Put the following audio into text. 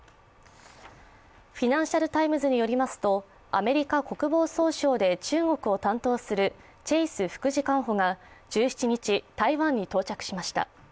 「フィナンシャル・タイムズ」によりますと、アメリカ国防総省で中国を担当するチェイス副次官補が１７日台湾に到着しました。